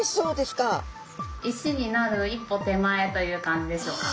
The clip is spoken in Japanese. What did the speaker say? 石になる一歩手前という感じでしょうか。